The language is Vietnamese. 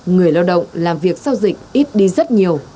người lao động làm việc sau dịch ít đi rất nhiều